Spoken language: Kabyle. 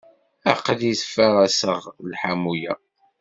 Aql-i ttfaraṣeɣ lḥamu-ya.